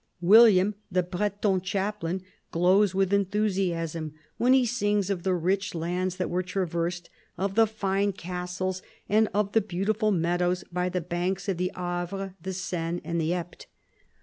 William, the Breton chaplain, glows with enthusiasm when he sings of the rich lands that were traversed, of the fine castles, and of the beautiful meadows by the banks of the Avre, the Seine, and the Epte.